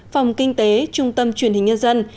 phòng kinh tế trung tâm truyền hình nhân dân